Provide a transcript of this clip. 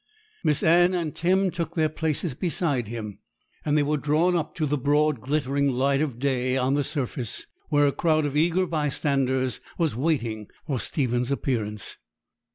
Miss Anne and Tim took their places beside him, and they were drawn up to the broad, glittering light of day on the surface, where a crowd of eager bystanders was waiting for Stephen's appearance.